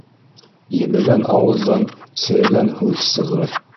Ебегән ауыҙҙан серегән һүҙ сығыр.